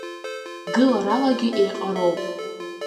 Гыларалагьы еиҟароуп.